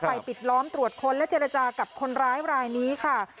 ปิดล้อมตรวจค้นและเจรจากับคนร้ายรายนี้ค่ะ